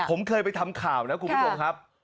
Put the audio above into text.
ผมเคยไปทำข่าวน้องครัวครับ